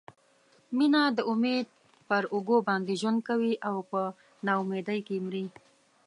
مینه د امید پر اوږو باندې ژوند کوي او په نا امیدۍ کې مري.